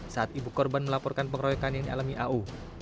saat ibu korban melaporkan pengeroyokan yang dialami au